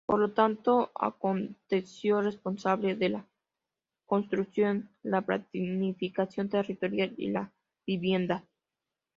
Por lo tanto, aconteció responsable de la construcción, la planificación territorial y la vivienda.